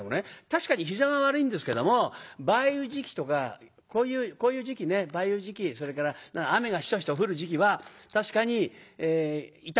確かに膝が悪いんですけども梅雨時期とかこういう時期ね梅雨時期それから雨がシトシト降る時期は確かに痛むそうです。